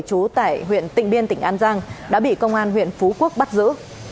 trú tại huyện tịnh biên tỉnh an giang đã bị công an huyện phú quốc bắt giữ